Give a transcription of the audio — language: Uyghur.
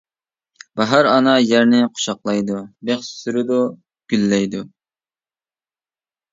باھار ئانا يەرنى قۇچاقلايدۇ، بىخ سۈرىدۇ، گۈللەيدۇ.